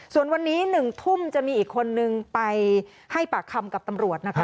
ส่วนวันนี้๑ทุ่มจะมีอีกคนนึงไปให้ปากคำกับตำรวจนะคะ